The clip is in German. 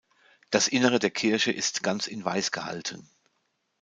Das Innere der Kirche ist ganz in Weiß gehalten.